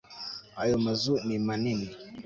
ayo mazu ni manini